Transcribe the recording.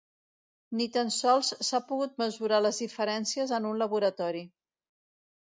Ni tan sols s'ha pogut mesurar les diferències en un laboratori.